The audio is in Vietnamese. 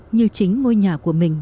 như chính ngôi nhà của mình